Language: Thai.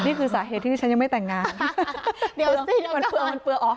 นี่คือสาเหตุที่ที่ฉันยังไม่แต่งงานเดี๋ยวมันเปลืองมันเปลืออ๋อ